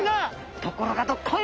ところがどっこい！